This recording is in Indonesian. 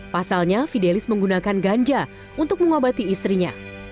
pasalnya fidelis menggunakan ganja untuk mengobati istrinya